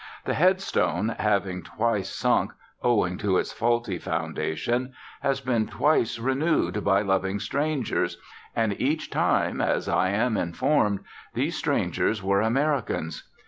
The head stone, having twice sunk, owing to its faulty foundation, has been twice renewed by loving strangers, and each time, as I am informed, these strangers were Americans.